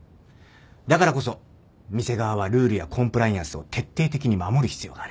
だからこそ店側はルールやコンプライアンスを徹底的に守る必要がある